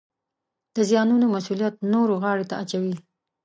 د زیانونو مسوولیت نورو غاړې ته اچوي